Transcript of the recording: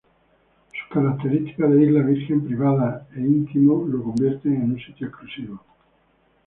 Sus características de isla virgen, privada e íntimo lo convierten en un sitio exclusivo.